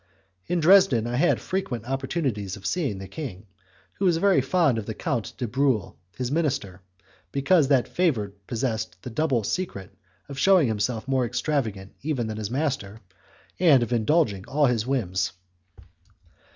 In Dresden I had frequent opportunities of seeing the king, who was very fond of the Count de Bruhl, his minister, because that favourite possessed the double secret of shewing himself more extravagant even than his master, and of indulging all his whims.